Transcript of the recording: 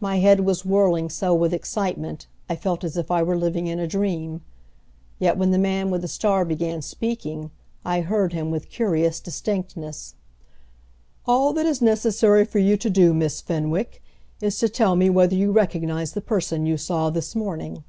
My head was whirling so with excitement I felt as if I were living in a dream. Yet when the man with the star began speaking I heard him with curious distinctness. "All that is necessary for you to do, Miss Fenwick, is to tell me whether you recognize the person you saw this morning."